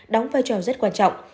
đóng vai trò rất quan trọng